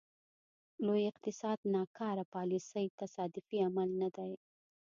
لوی اقتصاد ناکاره پالیسۍ تصادفي عمل نه دی.